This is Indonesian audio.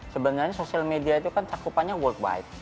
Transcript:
sebenarnya sosial media itu kan cakupannya world wide